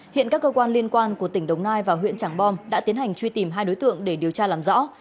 hiện các cơ quan liên quan của tỉnh đồng nai và huyện trảng bom đã tiến hành truy tìm hai đối tượng để điều tra làm rõ